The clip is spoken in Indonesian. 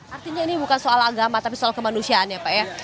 artinya ini bukan soal agama tapi soal kemanusiaan ya pak ya